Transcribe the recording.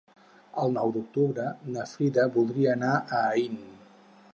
El nou d'octubre na Frida voldria anar a Aín.